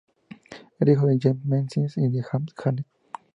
Era hijo de James Menzies y de Ann Janet.